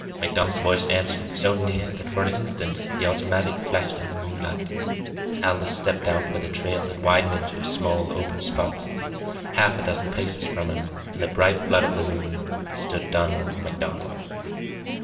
MacDonald's voice answered, so near that for an instant the automatic flashed in the moonlight. Aldous stepped out where the trail had widened into a small open spot. Half a dozen paces from him, in the bright flood of the moon, stood Donald MacDonald.